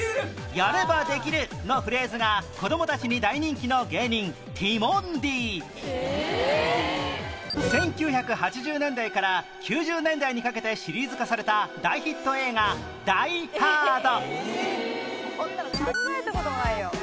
「やればできる」のフレーズが子どもたちに大人気の芸人「ティモンディ」１９８０年代から１９９０年代にかけてシリーズ化された大ヒット映画『ダイ・ハード』